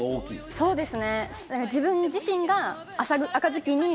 そうですね。